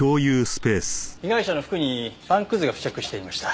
被害者の服にパンくずが付着していました。